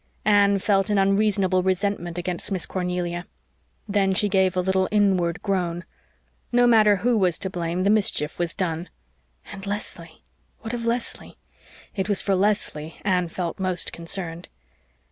Anne felt an unreasonable resentment against Miss Cornelia. Then she gave a little inward groan. No matter who was to blame the mischief was done. And Leslie what of Leslie? It was for Leslie Anne felt most concerned.